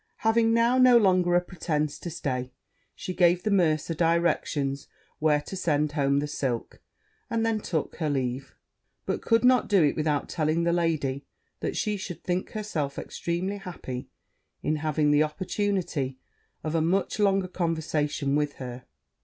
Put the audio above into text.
Having now no longer a pretence to stay, she gave the mercer directions where to send home the silk, and then took her leave: but could not do it without telling the lady, that she should think herself extremely happy in having the opportunity of a much longer conversation with her.